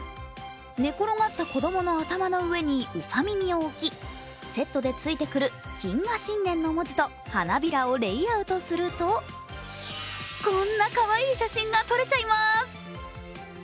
寝転がった子供の頭の上にうさ耳を置き、セットでついてくる謹賀新年の文字と花びらをレイアウトするとこんなかわいい写真が撮れちゃいます。